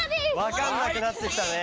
わかんなくなってきたね。